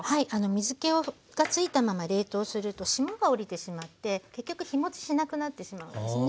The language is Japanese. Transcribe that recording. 水けがついたまま冷凍すると霜が降りてしまって結局日もちしなくなってしまうんですね。